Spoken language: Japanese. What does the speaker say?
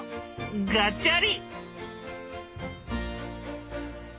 ガチャリ。